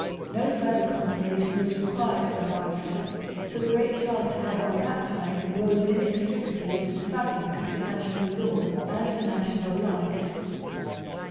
No further confirmation was required thereafter, for the Great Charter had by that time been woven inextricably into the fabric of the national law and the national life.